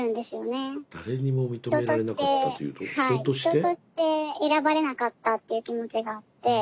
人として選ばれなかったという気持ちがあって。